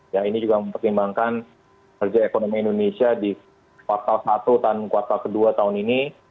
ya ini juga mempertimbangkan kerja ekonomi indonesia di kuartal satu dan kuartal ke dua tahun ini